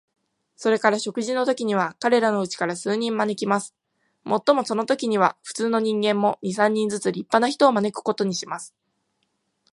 それから食事のときには、彼等のうちから数人招きます。もっともそのときには、普通の人間も、二三人ずつ立派な人を招くことにします。